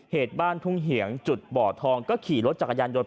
เหตุบ้านทุ่งเหียงจุดบ่อทองก็ขี่รถจักรยานยนต